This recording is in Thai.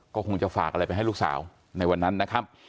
ก็คงจะฝากอะไรไปให้ลูกสาวในวันนั้นนะครับ